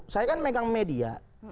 saya kan megang media